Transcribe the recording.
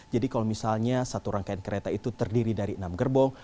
jadi kalau misalnya satu rangkaian kereta itu terdiri dari enam gerbong